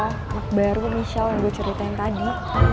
anak baru michel yang gue ceritain tadi